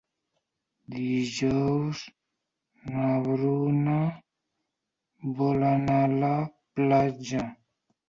Dijous na Bruna vol anar a la platja.